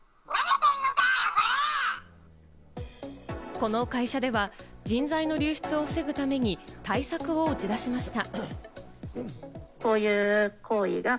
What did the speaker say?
この会社では人材の流出を防ぐために対策を打ち出しました。